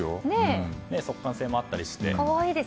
速乾性もあったりして。